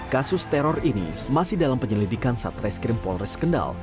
kasus teror ini masih dalam penyelidikan satreskrim polres kendal